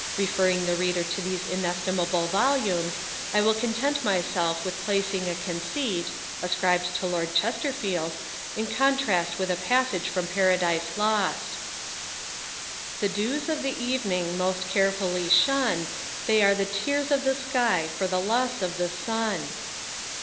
Referring the Reader to those inestimable volumes, I will content myself with placing a conceit (ascribed to Lord Chesterfield) in contrast with a passage from the Paradise Lost: The dews of the evening most carefully shun, They are the tears of the sky for the loss of the sun.